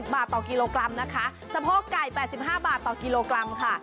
บาทต่อกิโลกรัมนะคะสะโพกไก่๘๕บาทต่อกิโลกรัมค่ะ